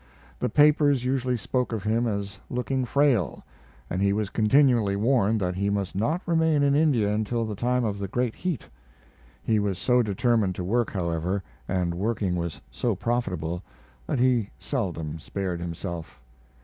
The papers usually spoke of him as looking frail, and he was continually warned that he must not remain in India until the time of the great heat. He was so determined to work, however, and working was so profitable, that he seldom spared himself.